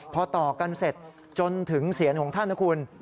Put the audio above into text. พอต่อกันเสร็จจนถึงเสียงของท่านนะคุณ